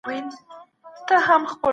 تجاران اوس پانګونه کوي.